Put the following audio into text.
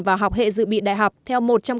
và học hệ dự bị đại học theo một trong